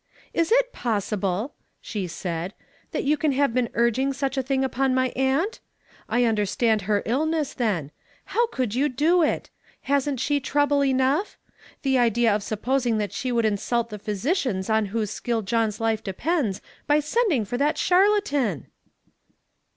"Is it possible," she said, "that you can have lK?en urging such a thing uikhi my aunt? I un derstand her illness then. How could you do it? Hasn't she trouble enough? The idea of suppos ing that she would insult the physicians on whose skill John's life depends by sending for that char latan